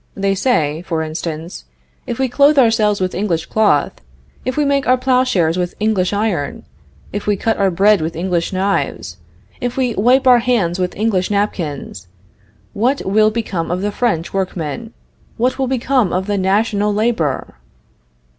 They say, for instance, "If we clothe ourselves with English cloth, if we make our plowshares with English iron, if we cut our bread with English knives, if we wipe our hands with English napkins, what will become of the French workmen what will become of the national labor?"